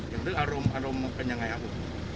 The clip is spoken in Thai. อย่างนึกอารมณ์อารมณ์เป็นอย่างไรครับ